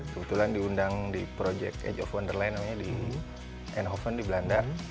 kebetulan diundang di project age of wonderland namanya di eindhoven di belanda